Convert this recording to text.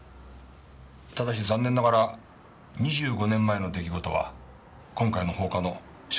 ただし残念ながら２５年前の出来事は今回の放火の証拠にはなりません。